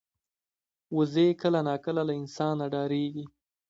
وزې کله ناکله له انسانه ډاریږي